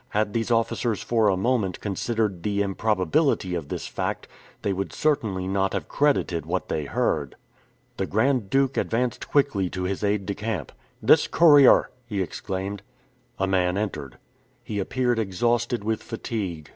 Had these officers for a moment considered the improbability of this fact, they would certainly not have credited what they heard. The Grand Duke advanced quickly to his aide de camp. "This courier!" he exclaimed. A man entered. He appeared exhausted with fatigue.